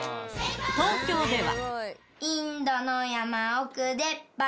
東京では。